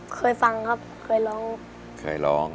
เคยฟังครับเคยร้อง